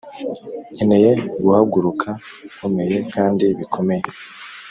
nkeneye guhaguruka nkomeye kandi bikomeye.